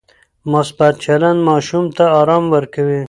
مثبت چلند ماشوم ته ارام ورکوي.